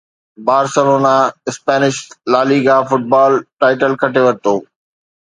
Barcelona Spanish La Liga football title کٽي ورتو